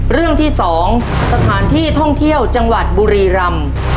เรื่องที่๒สถานที่ท่องเที่ยวจังหวัดบุรีรำ